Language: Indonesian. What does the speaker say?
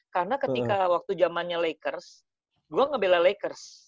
karena ketika waktu jamannya lakers gue ngebela lakers